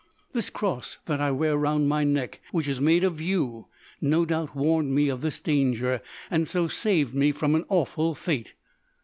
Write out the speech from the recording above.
This cross that I wear round my neck, which is made of yew, no doubt warned me of this danger and so saved me from an awful fate.